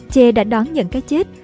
che đã đoán nhận cái chết